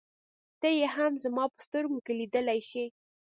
ته يې هم زما په سترګو کې لیدلای شې.